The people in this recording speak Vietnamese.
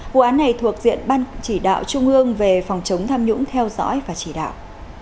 vụ án này thuộc diện ban chỉ đạo trung ương về phòng chống tham nhũng theo dõi và chỉ đạo